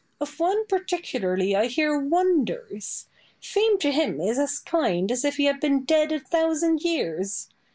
Of one particularly I hear wonders. Fame to him is as kind as if he had been dead a thousand years.